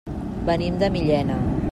Venim de Millena.